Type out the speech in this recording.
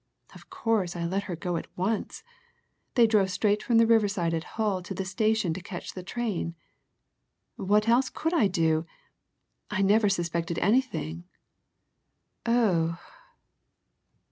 Of course, I let her go at once they drove straight from the riverside at Hull to the station to catch the train. What else could I do? I never suspected anything. Oh!"